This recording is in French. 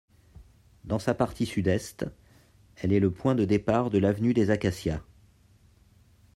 Dans sa partie sud-est, elle est le point de départ de l'avenue des Acacias.